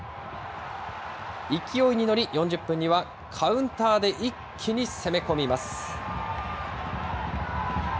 勢いに乗り、４０分にはカウンターで一気に攻め込みます。